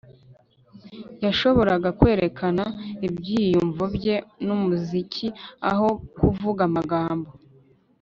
Yashoboraga kwerekana ibyiyumvo bye numuziki aho kuvuga amagambo